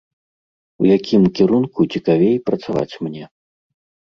У якім кірунку цікавей працаваць мне?